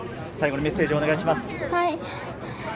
メッセージをお願いします。